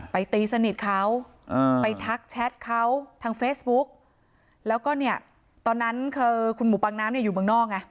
ตีสนิทเขาไปทักแชทเขาทางเฟซบุ๊กแล้วก็เนี่ยตอนนั้นคือคุณหมูปังน้ำเนี่ยอยู่เมืองนอกไง